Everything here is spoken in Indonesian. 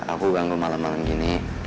aku bangun malam malam gini